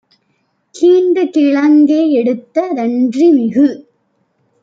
கீண்டுகிழங் கேஎடுத்த தன்றி - மிகு